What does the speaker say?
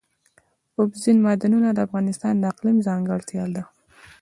اوبزین معدنونه د افغانستان د اقلیم ځانګړتیا ده.